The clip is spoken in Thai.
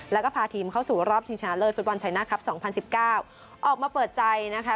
แล้วก็พาทีมเข้าสู่รอบชิงชนะเลิศฟุตบอลชายหน้าครับ๒๐๑๙ออกมาเปิดใจนะคะ